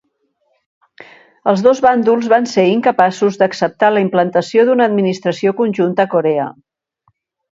Els dos bàndols van ser incapaços d'acceptar la implantació d'una administració conjunta a Corea.